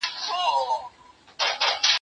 زه اوس سبا ته فکر کوم؟